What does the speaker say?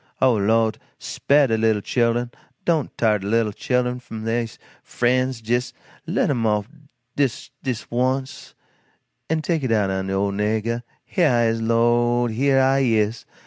Oh, Lord, spah de little chil'en, don't tar de little chil'en away f'm dey frens, jes' let 'em off jes' dis once, and take it out'n de ole niggah. HEAH I IS, LORD, HEAH I IS!